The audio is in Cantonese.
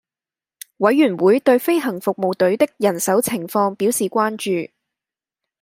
委員會對飛行服務隊的人手情況表示關注